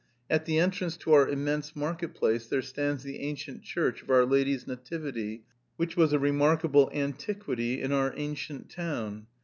At the entrance to our immense marketplace there stands the ancient church of Our Lady's Nativity, which was a remarkable antiquity in our ancient town.